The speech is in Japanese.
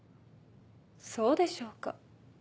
そうでしょうか。